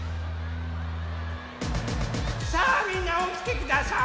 さあみんなおきてください！